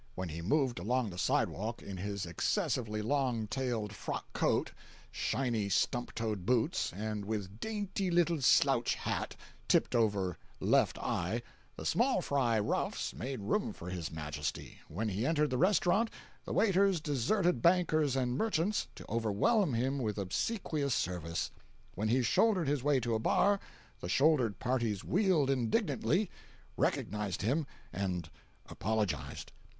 When he moved along the sidewalk in his excessively long tailed frock coat, shiny stump toed boots, and with dainty little slouch hat tipped over left eye, the small fry roughs made room for his majesty; when he entered the restaurant, the waiters deserted bankers and merchants to overwhelm him with obsequious service; when he shouldered his way to a bar, the shouldered parties wheeled indignantly, recognized him, and—apologized.